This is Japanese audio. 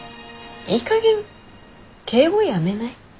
いいかげん敬語やめない？